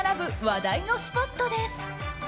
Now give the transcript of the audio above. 話題のスポットです。